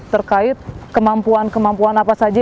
terkait kemampuan kemampuan apa saja